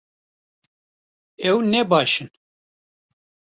Ew ne baş in